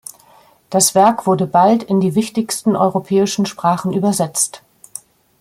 Das Werk wurde bald in die wichtigsten europäischen Sprachen übersetzt.